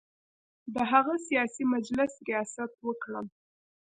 د هغه سیاسي مجلس ریاست وکړم.